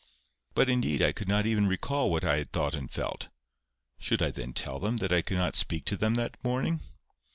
But, indeed, I could not even recall what I had thought and felt. Should I then tell them that I could not speak to them that morning?